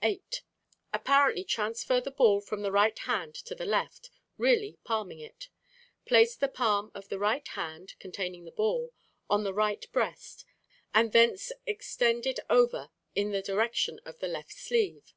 8. Apparently transfer the ball from the right hand to the left, really palming it. Place the palm of the right hand (containing the ball) on the right breast, and thence extend it over in the direction of the left sleeve.